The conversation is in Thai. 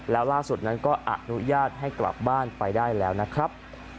แล้วล่าสุดนั้นก็อนุญาตให้กลับบ้านไปได้แล้วนะครับ